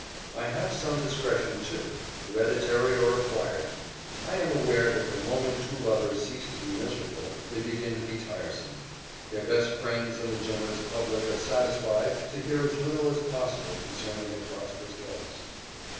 I have some discretion, too, hereditary or acquired. I am aware that the moment two lovers cease to be miserable, they begin to be tiresome; their best friends and the generous public are satisfied to hear as little as possible concerning their prosperous loves.